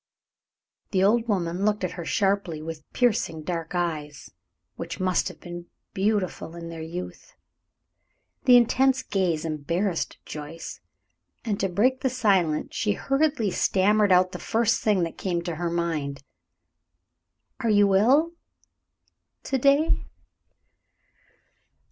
The old woman looked at her sharply with piercing dark eyes, which must have been beautiful in their youth. The intense gaze embarrassed Joyce, and to break the silence she hurriedly stammered out the first thing that came to her mind. "Are you ill, to day?"